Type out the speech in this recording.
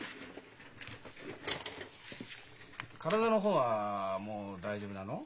体の方はもう大丈夫なの？